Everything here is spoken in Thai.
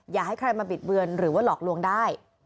อย่าให้ใครมาบิดเบือนหรือว่าหลอกลวงได้